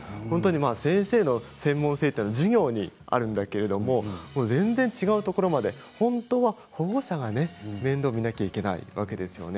先生の専門性というのは授業にあるんだけれど全然違うところまで本当は保護者が面倒を見なくてはいけないわけですよね。